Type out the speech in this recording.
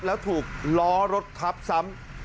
แล้วถูกล้อรถทับซ้ำ